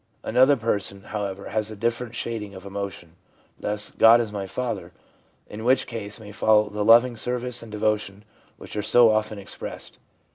Another person, however, has a different shading of emotion, thus :' God is my Father] in which case may follow the loving service and devotion which are so often expressed.